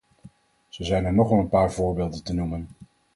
Zo zijn er nog wel een paar voorbeelden te noemen.